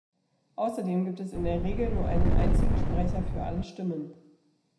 Außerdem gibt es in der Regel nur einen einzigen Sprecher für alle Stimmen.